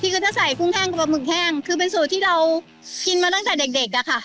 ก็จะใส่กุ้งแห้งกับปลาหมึกแห้งคือเป็นสูตรที่เรากินมาตั้งแต่เด็กเด็กอะค่ะ